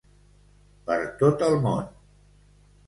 Per tot el món.